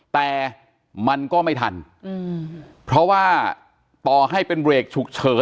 แต่มันก็ไม่ทันเพราะว่าต่อให้เป็นเบรกฉุกเฉิน